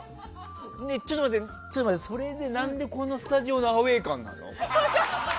それで、何でこのスタジオのアウェー感なの？